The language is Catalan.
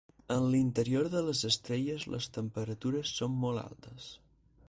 En l'interior de les estrelles les temperatures són molt altes.